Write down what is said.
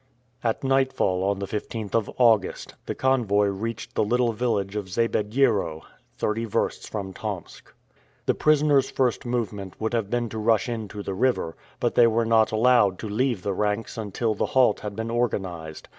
At nightfall of the 15th of August, the convoy reached the little village of Zabediero, thirty versts from Tomsk. The prisoners' first movement would have been to rush into the river, but they were not allowed to leave the ranks until the halt had been organized.